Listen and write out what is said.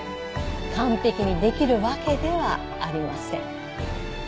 完璧にできるわけではありません。